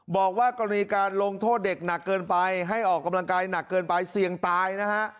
บอกว่ากรณีการลงโทษเด็กหนักเกินไปให้ออกกำลังกายหนักเกินไปเสี่ยงตายนะฮะ